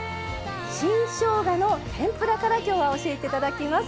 新しょうがの天ぷらから今日は教えていただきます。